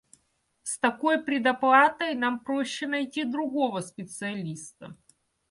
С такой предоплатой нам проще найти другого специалиста.